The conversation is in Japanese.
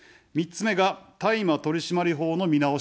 ３つ目が大麻取締法の見直し。